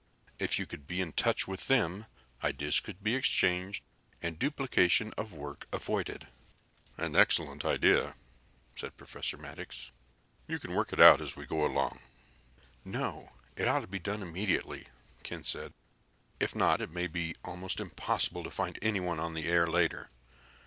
If you could be in touch with them, ideas could be exchanged and duplication of work avoided." "An excellent idea," said Professor Maddox. "You can work it out as we go along." "No. It ought to be done immediately," Ken said. "If not, it may be almost impossible to find anyone on the air later.